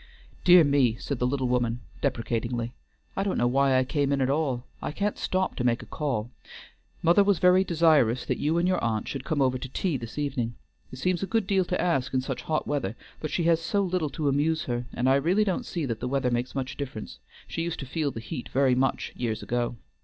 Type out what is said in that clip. "Dear me," said the little woman deprecatingly. "I don't know why I came in at all. I can't stop to make a call. Mother was very desirous that you and your aunt should come over to tea this evening. It seems a good deal to ask in such hot weather, but she has so little to amuse her, and I really don't see that the weather makes much difference, she used to feel the heat very much years ago."